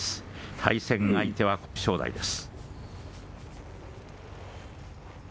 対戦相手は正代です。